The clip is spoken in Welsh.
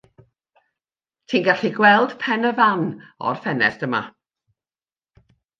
Ti'n gallu gweld Pen y Fan o'r ffenest yma.